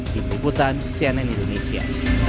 di pembutan cnn indonesia